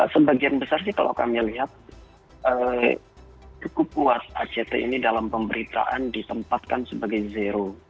sebagian besar sih kalau kami lihat cukup kuat act ini dalam pemberitaan ditempatkan sebagai zero